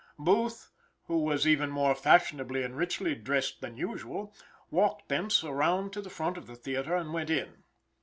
Booth who was even more fashionably and richly dressed than usual, walked thence around to the front of the theater, and went in.